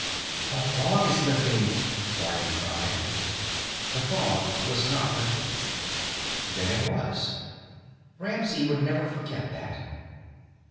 "The fog is lifting!" Vardin cried. The fog was not lifting. Then it was. Ramsey would never forget that.